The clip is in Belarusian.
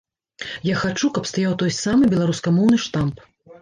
Я хачу, каб стаяў той самы беларускамоўны штамп.